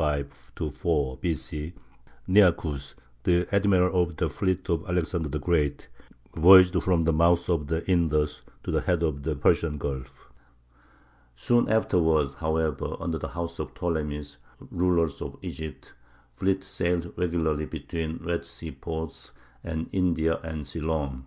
C., Nearchus, the admiral of the fleet of Alexander the Great, voyaged from the mouth of the Indus to the head of the Persian Gulf. Soon afterward, however, under the house of the Ptolemies, rulers of Egypt, fleets sailed regularly between Red Sea ports and India and Ceylon.